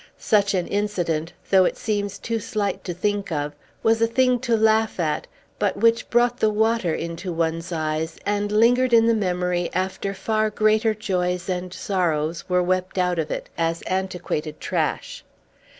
Such an incident though it seems too slight to think of was a thing to laugh at, but which brought the water into one's eyes, and lingered in the memory after far greater joys and sorrows were wept out of it, as antiquated trash.